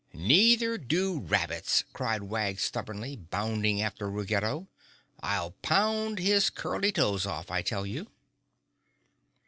"Neither do rabbits!" cried Wag stubbornly, bounding after Ruggedo. "I'll pound his curly toes off, I tell you!"